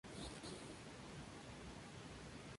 Allí interpretó al personaje de Lucio Herrera.